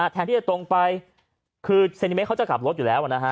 แทนที่จะตรงไปคือเซนติเมตรเขาจะกลับรถอยู่แล้วนะฮะ